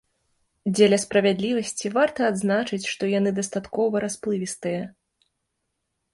Дзеля справядлівасці, варта адзначыць, што яны дастаткова расплывістыя.